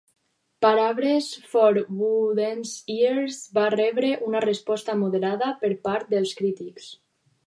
"Parables for Wooden Ears" va rebre una resposta moderada per part dels crítics.